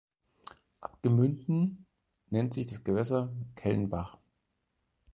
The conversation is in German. Ab Gemünden nennt sich das Gewässer Kellenbach.